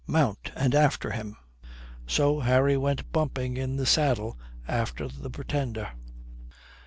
Mount and after him." So Harry went bumping in the saddle after the Pretender.